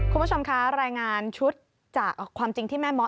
คุณผู้ชมคะรายงานชุดจากความจริงที่แม่เมาะ